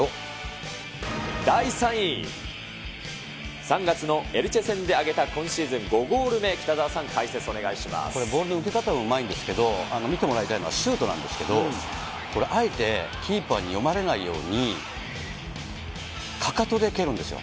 第３位、３月のエルチェ戦で挙げた今シーズン５ゴール目、これ、ボールの受け方もうまいんですけど、見てもらいたいのはシュートなんですけど、これあえて、キーパーに読まれないように、かかとで蹴るんですよ。